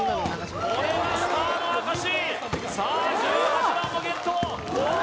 これはスターの証し。